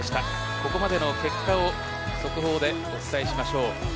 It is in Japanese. ここまでの結果を速報でお伝えしましょう。